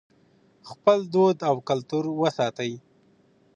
خپل دود او کلتور وساتئ.